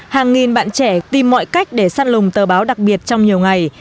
hàng nghìn bạn trẻ tìm mọi cách để săn lùng tờ báo đặc biệt trong nhiều ngày